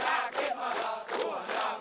akim alat tuan yang